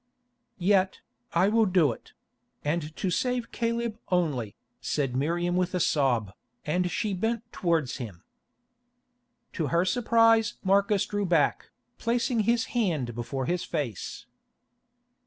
"Yet, I will do it—and to save Caleb only," said Miriam with a sob, and she bent towards him. To her surprise Marcus drew back, placing his hand before his face.